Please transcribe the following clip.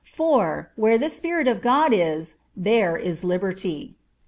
3:17): "Where the Spirit of the Lord is, there is liberty."